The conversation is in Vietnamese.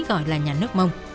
gọi là nhà nước mông